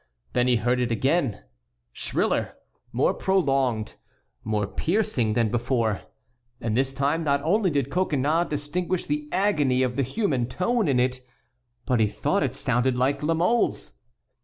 Then he heard it again, shriller, more prolonged, more piercing than before, and this time not only did Coconnas distinguish the agony of the human tone in it, but he thought it sounded like La Mole's.